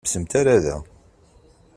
Ur ḥebbsemt ara da.